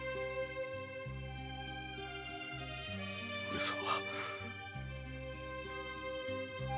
上様。